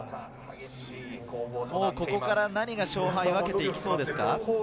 ここから何が勝敗を分けていきそうですか？